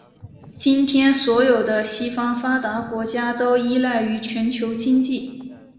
今天所有的西方发达国家都依赖于全球经济。